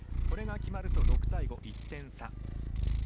これが決まると６対５と１点差。